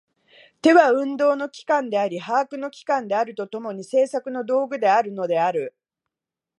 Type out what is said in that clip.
手は運動の機関であり把握の機関であると共に、製作の道具であるのである。